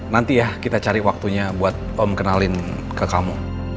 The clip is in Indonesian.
nanti ya kita cari waktunya buat om kenalin ke kamu